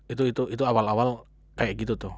itu itu itu awal awal kayak gitu tuh